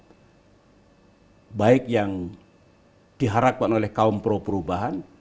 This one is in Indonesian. jadi saya berharap bahwa kita harus berharapkan oleh rakyat yang diharapkan oleh kaum pro perubahan